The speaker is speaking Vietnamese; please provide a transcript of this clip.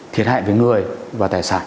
thiệt hại về người và tài sản